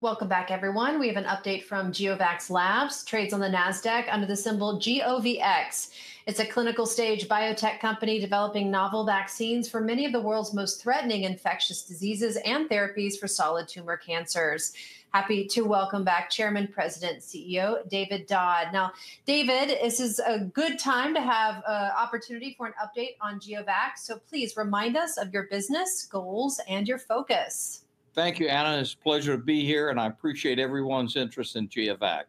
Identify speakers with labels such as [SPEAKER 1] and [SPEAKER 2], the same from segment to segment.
[SPEAKER 1] Welcome back, everyone. We have an update from GeoVax Labs, trades on the NASDAQ under the symbol GOVX. It's a clinical-stage biotech company developing novel vaccines for many of the world's most threatening infectious diseases and therapies for solid tumor cancers. Happy to welcome back Chairman, President, and CEO David Dodd. Now, David, this is a good time to have an opportunity for an update on GeoVax, so please remind us of your business goals and your focus.
[SPEAKER 2] Thank you, Anna. It's a pleasure to be here, and I appreciate everyone's interest in GeoVax.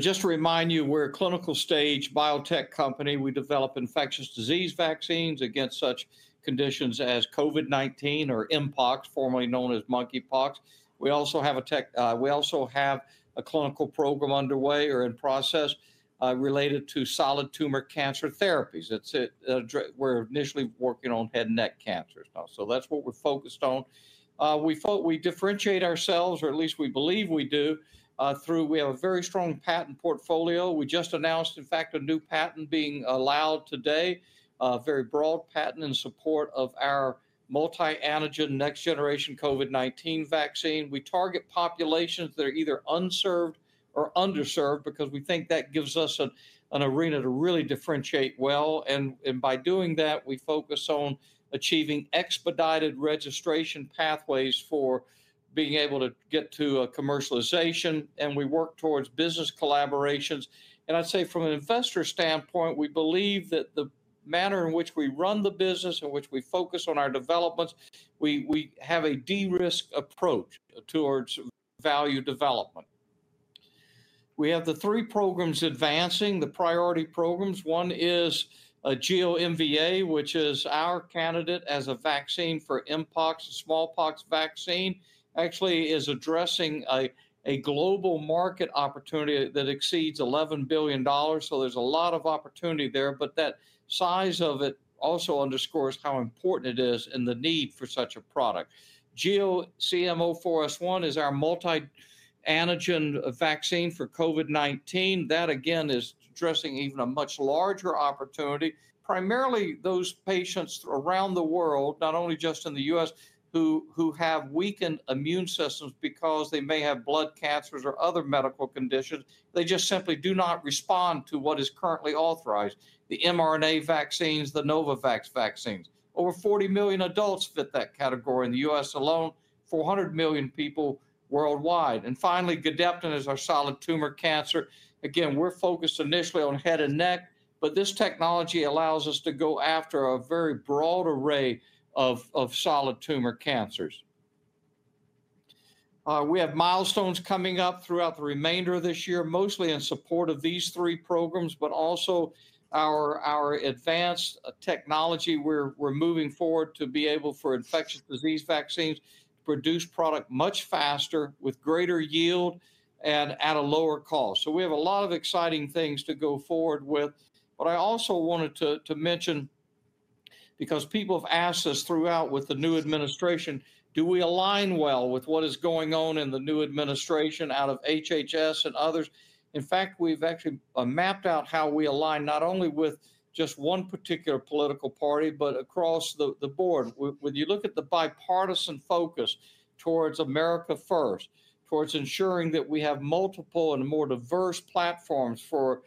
[SPEAKER 2] Just to remind you, we're a clinical-stage biotech company. We develop infectious disease vaccines against such conditions as COVID-19 or Mpox, formerly known as monkeypox. We also have a clinical program underway or in process related to solid tumor cancer therapies. We're initially working on head and neck cancers now, so that's what we're focused on. We thought we differentiate ourselves, or at least we believe we do, through having a very strong patent portfolio. We just announced, in fact, a new patent being allowed today, a very broad patent in support of our multi-antigen next-generation COVID-19 vaccine. We target populations that are either unserved or underserved because we think that gives us an arena to really differentiate well. By doing that, we focus on achieving expedited registration pathways for being able to get to commercialization, and we work towards business collaborations. I'd say from an investor standpoint, we believe that the manner in which we run the business, in which we focus on our developments, we have a de-risk approach towards value development. We have the three programs advancing, the priority programs. One is GeoMVA, which is our candidate as a vaccine for Mpox and smallpox vaccine. Actually, it's addressing a global market opportunity that exceeds $11 billion, so there's a lot of opportunity there, but that size of it also underscores how important it is and the need for such a product. GEO-CM04S1 is our multi-antigen vaccine for COVID-19. That, again, is addressing even a much larger opportunity, primarily those patients around the world, not only just in the U.S., who have weakened immune systems because they may have blood cancers or other medical conditions. They just simply do not respond to what is currently authorized: the mRNA vaccines, the Novavax vaccines. Over 40 million adults fit that category in the U.S. alone, 400 million people worldwide. Finally, Gedeptin is our solid tumor cancer. We're focused initially on head and neck, but this technology allows us to go after a very broad array of solid tumor cancers. We have milestones coming up throughout the remainder of this year, mostly in support of these three programs, but also our advanced technology. We're moving forward to be able for infectious disease vaccines to produce products much faster, with greater yield, and at a lower cost. We have a lot of exciting things to go forward with. What I also wanted to mention, because people have asked us throughout with the new administration, do we align well with what is going on in the new administration out of HHS and others? In fact, we've actually mapped out how we align not only with just one particular political party, but across the board. When you look at the bipartisan focus towards America first, towards ensuring that we have multiple and more diverse platforms for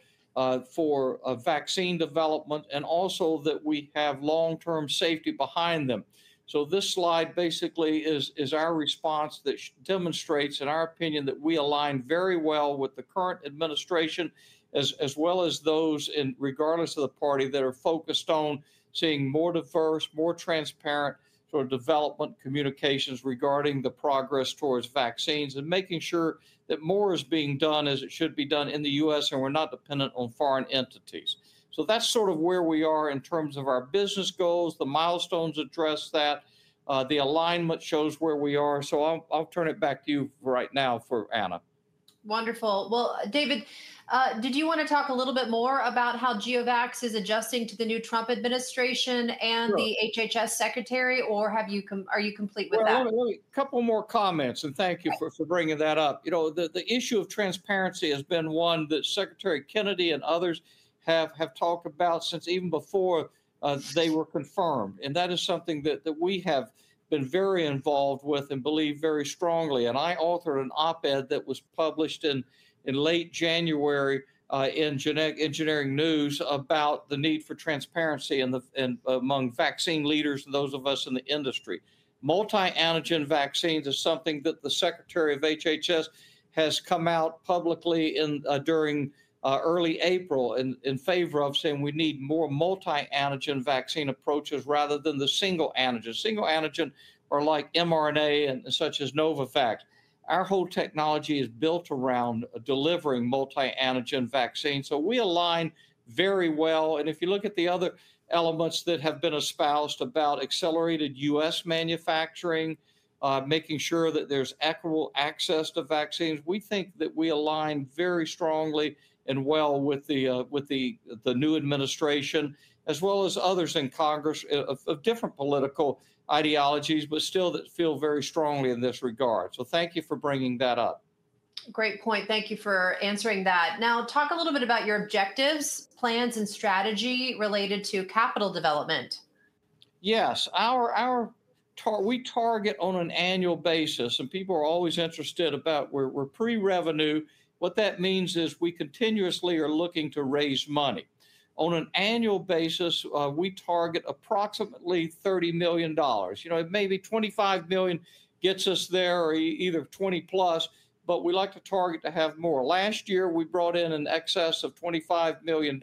[SPEAKER 2] vaccine development, and also that we have long-term safety behind them. This slide basically is our response that demonstrates, in our opinion, that we align very well with the current administration, as well as those, regardless of the party, that are focused on seeing more diverse, more transparent sort of development communications regarding the progress towards vaccines and making sure that more is being done as it should be done in the U.S., and we're not dependent on foreign entities. That's sort of where we are in terms of our business goals. The milestones address that. The alignment shows where we are. I'll turn it back to you right now for Anna.
[SPEAKER 1] Wonderful. David, did you want to talk a little bit more about how GeoVax Labs is adjusting to the new Trump administration and the HHS Secretary, or are you complete with that?
[SPEAKER 2] Thank you for bringing that up. The issue of transparency has been one that Secretary Kennedy and others have talked about since even before they were confirmed, and that is something that we have been very involved with and believe very strongly. I authored an op-ed that was published in late January in Genetic Engineering News about the need for transparency among vaccine leaders and those of us in the industry. Multi-antigen vaccines is something that the Secretary of HHS has come out publicly during early April in favor of, saying we need more multi-antigen vaccine approaches rather than the single antigen. Single antigen are like mRNA and such as Novavax. Our whole technology is built around delivering multi-antigen vaccines, so we align very well. If you look at the other elements that have been espoused about accelerated U.S. manufacturing, making sure that there's equitable access to vaccines, we think that we align very strongly and well with the new administration, as well as others in Congress of different political ideologies, but still feel very strongly in this regard. Thank you for bringing that up.
[SPEAKER 1] Great point. Thank you for answering that. Now, talk a little bit about your objectives, plans, and strategy related to capital development.
[SPEAKER 2] Yes. We target on an annual basis, and people are always interested about—we're pre-revenue. What that means is we continuously are looking to raise money. On an annual basis, we target approximately $30 million. You know, maybe $25 million gets us there, or either $20 plus, but we like to target to have more. Last year, we brought in in excess of $25 million,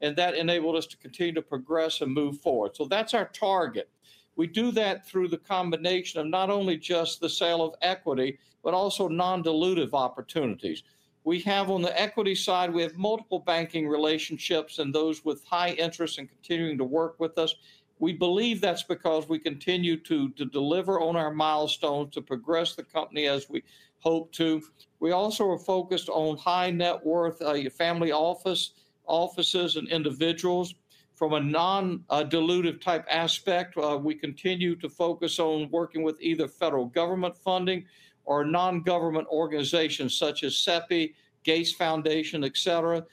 [SPEAKER 2] and that enabled us to continue to progress and move forward. That's our target. We do that through the combination of not only just the sale of equity, but also non-dilutive opportunities. On the equity side, we have multiple banking relationships and those with high interest in continuing to work with us. We believe that's because we continue to deliver on our milestones, to progress the company as we hope to. We also are focused on high net worth, family offices, and individuals from a non-dilutive type aspect. We continue to focus on working with either federal government funding or non-government organizations such as CEPI, Gates Foundation, etc.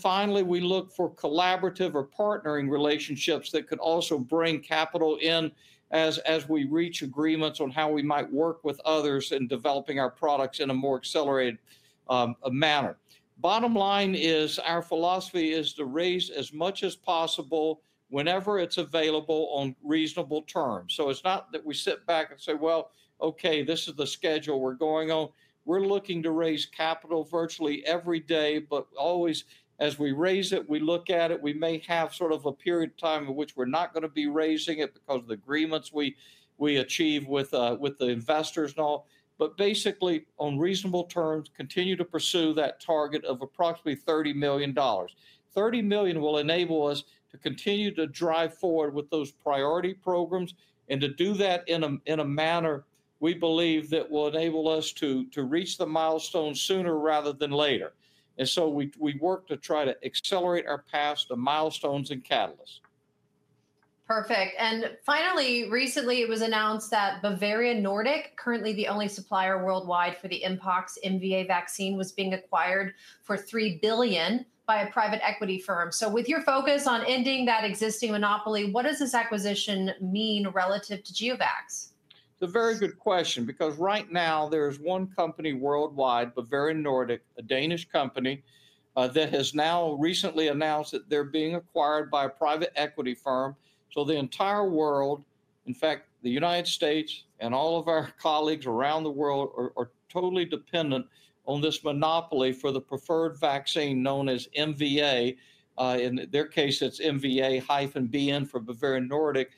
[SPEAKER 2] Finally, we look for collaborative or partnering relationships that could also bring capital in as we reach agreements on how we might work with others in developing our products in a more accelerated manner. Bottom line is our philosophy is to raise as much as possible whenever it's available on reasonable terms. It's not that we sit back and say, okay, this is the schedule we're going on. We're looking to raise capital virtually every day, but always as we raise it, we look at it. We may have sort of a period of time in which we're not going to be raising it because of the agreements we achieve with the investors and all, but basically on reasonable terms, continue to pursue that target of approximately $30 million. $30 million will enable us to continue to drive forward with those priority programs and to do that in a manner we believe that will enable us to reach the milestones sooner rather than later. We work to try to accelerate our paths to milestones and catalysts.
[SPEAKER 1] Perfect. Finally, recently it was announced that Bavarian Nordic, currently the only supplier worldwide for the Mpox MVA vaccine, was being acquired for $3 billion by a private equity firm. With your focus on ending that existing monopoly, what does this acquisition mean relative to GeoVax?
[SPEAKER 2] It's a very good question because right now there is one company worldwide, Bavarian Nordic, a Danish company, that has now recently announced that they're being acquired by a private equity firm. The entire world, in fact, the United States and all of our colleagues around the world, are totally dependent on this monopoly for the preferred vaccine known as MVA. In their case, it's MVA-BN for Bavarian Nordic.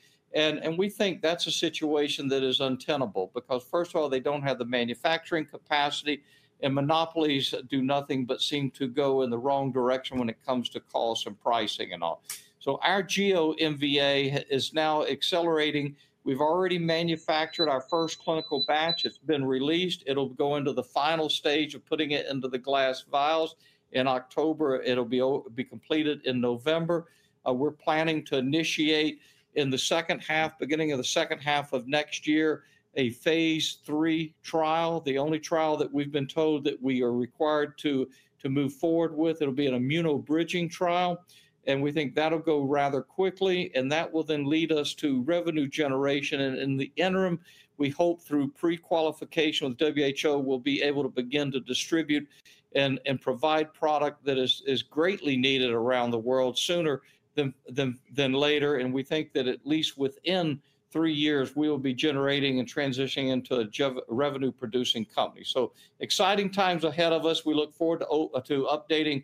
[SPEAKER 2] We think that's a situation that is untenable because first of all, they don't have the manufacturing capacity, and monopolies do nothing but seem to go in the wrong direction when it comes to cost and pricing and all. Our GeoMVA is now accelerating. We've already manufactured our first clinical batch. It's been released. It'll go into the final stage of putting it into the glass vials in October. It'll be completed in November. We're planning to initiate in the beginning of the second half of next year a phase three trial, the only trial that we've been told that we are required to move forward with. It'll be an immunobridging trial, and we think that'll go rather quickly, and that will then lead us to revenue generation. In the interim, we hope through pre-qualification with WHO, we'll be able to begin to distribute and provide product that is greatly needed around the world sooner than later. We think that at least within three years, we will be generating and transitioning into a revenue-producing company. Exciting times ahead of us. We look forward to updating